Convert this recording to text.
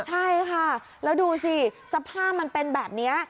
ใช่ค่ะแล้วดูสิสภาพมันเป็นแบบนี้